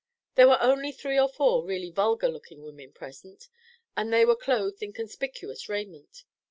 There were only three or four really vulgar looking women present, and they were clothed in conspicuous raiment.